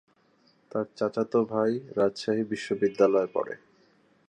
তার চাচাতো ভাই রাজশাহী বিশ্বনিদ্যালয়ে পড়ে।